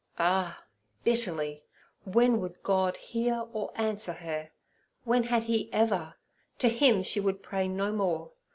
Ah!—bitterly—when would God hear or answer her? When had He ever? To Him she would pray no more.